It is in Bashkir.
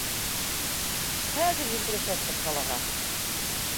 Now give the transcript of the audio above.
Хәҙер елдерәсәкбеҙ ҡалаға.